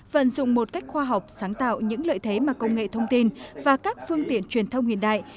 vận dụng một cách khoa học sáng tạo những lợi thế mà công nghệ thông tin và các phương tiện truyền thông hiện đại